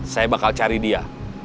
saya bakal cari dia